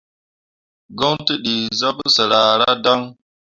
Goŋ tǝ dii zah pǝsǝr ahradaŋ.